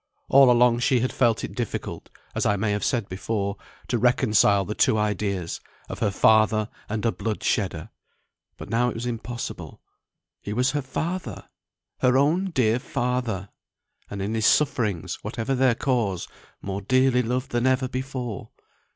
All along she had felt it difficult (as I may have said before) to reconcile the two ideas, of her father and a blood shedder. But now it was impossible. He was her father! her own dear father! and in his sufferings, whatever their cause, more dearly loved than ever before.